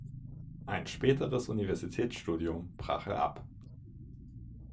Ein späteres Universitätsstudium brach er ab.